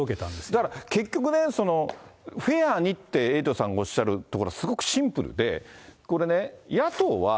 だから、結局ね、フェアにって、エイトさんがおっしゃるところはすごくシンプルで、これね、野党は。